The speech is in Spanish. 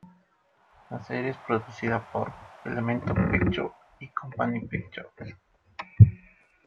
La serie es producida por "Element Pictures" y "Company Pictures".